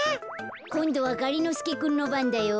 こんどはがりのすけくんのばんだよ。